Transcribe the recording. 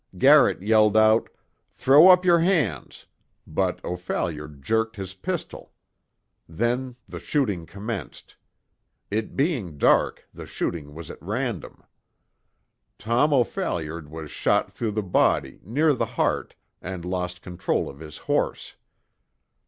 Garrett yelled out: 'Throw up your hands!' But O'Phalliard jerked his pistol. Then the shooting commenced. It being dark, the shooting was at random. Tom O'Phalliard was shot through the body, near the heart, and lost control of his horse.